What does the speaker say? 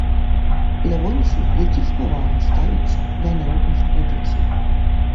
Лявонцій, які з павагай ставіцца да народных традыцый.